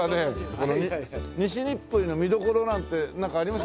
西日暮里の見どころなんてなんかあります？